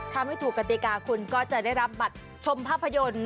ถ้าไม่ถูกกติกาคุณก็จะได้รับบัตรชมภาพยนตร์